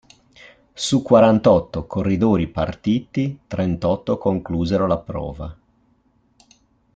Su quarantotto corridori partiti, trentotto conclusero la prova.